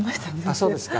そうですか。